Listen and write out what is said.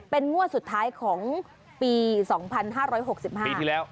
เป็นงวดสุดท้ายของปี๒๕๖๕ปีที่แล้ว